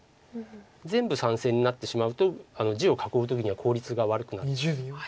全部３線になってしまうと地を囲う時には効率が悪くなるんです。